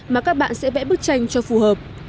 mà các bạn sẽ vẽ bức tranh cho phù hợp